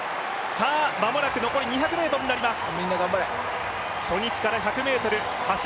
間もなく残り２００ｍになります。